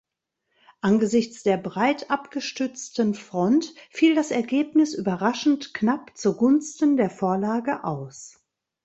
Angesichts der breit abgestützten Front fiel das Ergebnis überraschend knapp zugunsten der Vorlage aus.